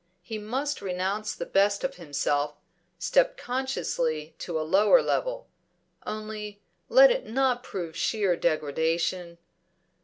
He must renounce the best of himself, step consciously to a lower level. Only let it not prove sheer degradation.